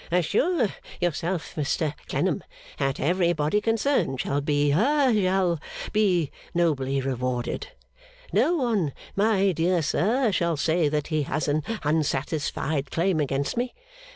'Assure yourself, Mr Clennam, that everybody concerned shall be ha shall be nobly rewarded. No one, my dear sir, shall say that he has an unsatisfied claim against me.